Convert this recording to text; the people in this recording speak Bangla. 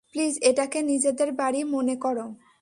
প্লিজ, এটাকে নিজেদের বাড়ি মনে করো।